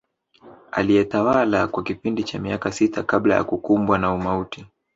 Aliyetawala kwa kipindi cha miaka sita kabla ya kukumbwa na umauti